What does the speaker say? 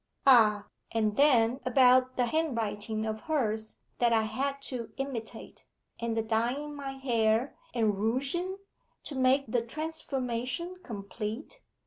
Ah! and then about the handwriting of hers that I had to imitate, and the dying my hair, and rouging, to make the transformation complete?